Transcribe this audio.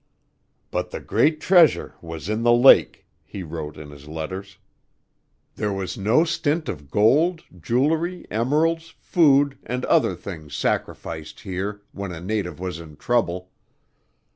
"But the great treasure was in the lake," he wrote in his letters. "There was no stint of gold, jewelry, emeralds, food, and other things sacrificed here when a native was in trouble.